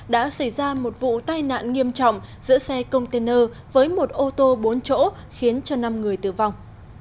đã xảy ra một vụ tai nạn nghiêm trọng giữa xe container với một ô tô bốn chỗ khiến cho năm người tử vong